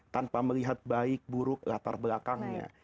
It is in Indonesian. tanpa melihat baik buruk latar belakangnya